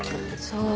そう。